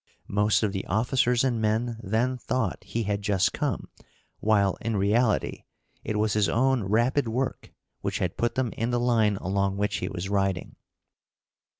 Most of the officers and men then thought he had just come, while in reality it was his own rapid work which had put them in the line along which he was riding.